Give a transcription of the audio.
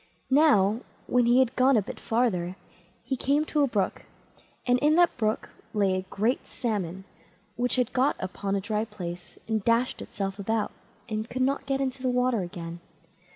Now, when he had gone a bit further, he came to a brook, and in the brook lay a great Salmon, which had got upon a dry place and dashed itself about, and could not get into the water again.